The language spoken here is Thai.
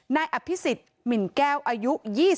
นายอภิษฎหมิ่นแก้วอายุ๒๒